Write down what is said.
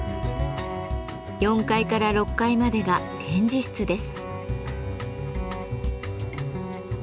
４階から６階までが展示室です。